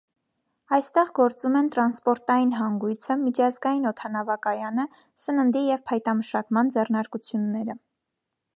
Այստեղ գործում են տրանսպորտային հանգույցը, միջազգային օդանավակայանը, սննդի և փայտամշակման ձեռնարկությունները։